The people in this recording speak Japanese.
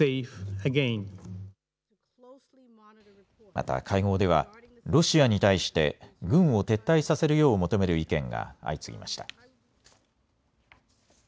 また会合ではロシアに対して軍を撤退させるよう求める意見が相次ぎました。